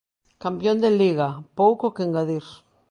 Campión de Liga: Pouco que engadir.